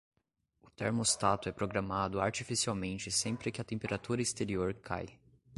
O termostato é programado artificialmente sempre que a temperatura exterior cai